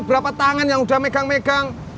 berapa tangan yang sudah megang megang